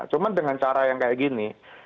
cuma dengan cara yang kayak gini